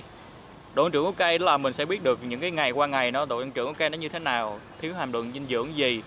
độ sinh tăng trưởng của cây là mình sẽ biết được những ngày qua ngày độ sinh tăng trưởng của cây như thế nào thiếu hàm lượng dinh dưỡng gì